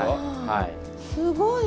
はい。